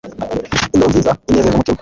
Indoro nziza inezeza umutima